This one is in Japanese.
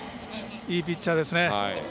いいピッチャーですね。